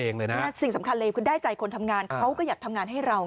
นี่ลง